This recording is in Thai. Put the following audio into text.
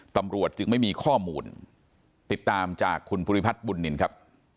ตำรวจจึงไม่มีข้อมูลติดตามจากคุณภูริพัฒน์บุญนินครับ